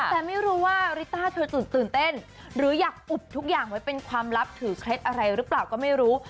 แต่ไม่รู้ว่าริต้าเธอตื่นเต้นหรืออยากอุบทุกอย่างไว้เป็นความลับถือเคล็ดอะไรหรือเปล่าก็ไม่รู้